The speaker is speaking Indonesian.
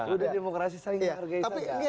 itu udah demokrasi saringan harga kita